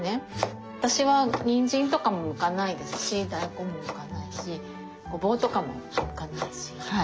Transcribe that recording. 私はにんじんとかもむかないですし大根もむかないしごぼうとかもむかないしはい。